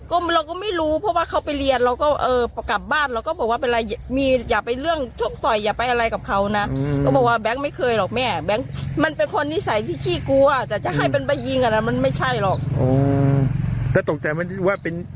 ก็มเราก็ไม่รู้เพราะว่าเขาไปเรียนเราก็เออกรับบ้านเราก็บอกว่าเป็น